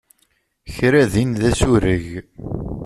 Kra din d asureg.